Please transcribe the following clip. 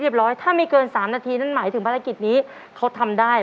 เรียบร้อยถ้ามีเกินสามนาทีนั้นหมายถึงภารกิจนี้เขาทำได้